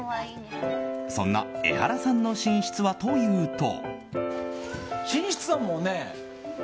そんなエハラさんの寝室はというと。